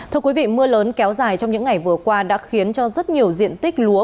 thưa quý vị mưa lớn kéo dài trong những ngày vừa qua đã khiến cho rất nhiều diện tích lúa